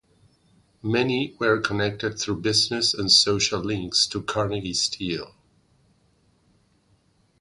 Many were connected through business and social links to Carnegie Steel.